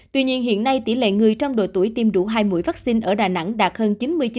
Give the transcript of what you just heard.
tuy nhiên hiện nay tỷ lệ người trong độ tuổi tiêm đủ hai mũi vaccine ở đà nẵng đạt hơn chín mươi chín